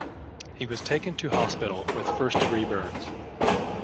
He was taken to hospital with first degree burns.